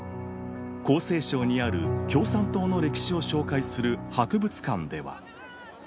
江西省にある共産党の歴史を紹介する博物館では。